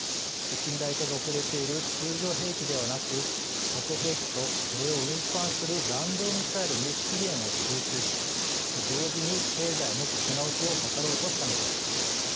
近代化が遅れている通常兵器ではなく核兵器とそれを運搬する弾道ミサイルに資源を集中し同時に経済の立て直しを図ろうとしたのです。